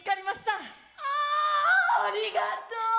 あありがとう！